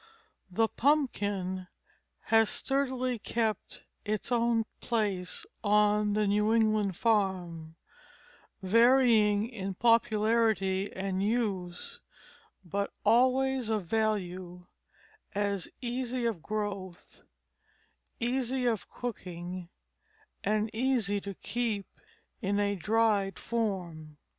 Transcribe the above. The pumpkin has sturdily kept its own place on the New England farm, varying in popularity and use, but always of value as easy of growth, easy of cooking, and easy to keep in a dried form.